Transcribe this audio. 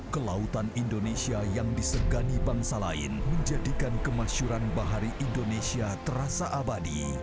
kelautan indonesia yang disegani bangsa lain menjadikan kemasyuran bahari indonesia terasa abadi